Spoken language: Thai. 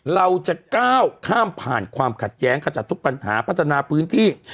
เราจะก้าวข้ามผ่านความขัดแย้งขจัดทุกปัญหาพัฒนาพื้นที่